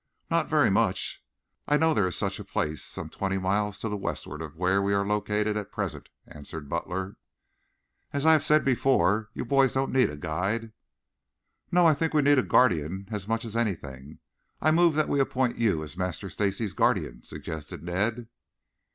"Not very much. I know there is such a place some twenty miles to the westward of where we are located at present," answered Butler. "As I have said before, you boys don't need a guide." "No, I think we need a guardian as much as anything. I move that we appoint you as Master Stacy's guardian," suggested Ned.